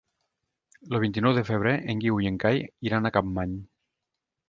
El vint-i-nou de febrer en Guiu i en Cai iran a Capmany.